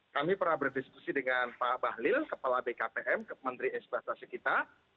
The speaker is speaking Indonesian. kami pernah berdiskusi dengan pak bahlil kepala bkpm menteri eksbatasi kita